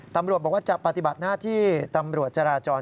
ตำรวจบอกว่าจะปฏิบัติหน้าที่ตำรวจจราจร